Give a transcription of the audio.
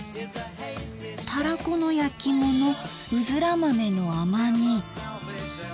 「たらこのやきものうづら豆の甘煮」。